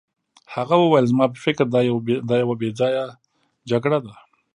هغه وویل زما په فکر دا یوه بې ځایه جګړه ده.